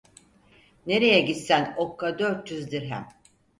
Nereye gitsen okka dört yüz dirhem.